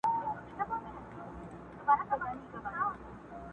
چي په ژوند یې ارمان وخېژي نو مړه سي؛